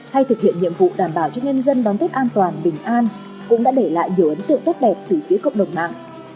hay thực hiện nhiệm vụ đảm bảo cho nhân dân đón tết an toàn bình an cũng đã để lại nhiều ấn tượng tốt đẹp từ phía cộng đồng mạng